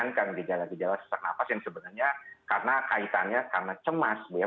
jadi itu merengangkan gejala gejala sesek napas yang sebenarnya karena kaitannya karena cemas ya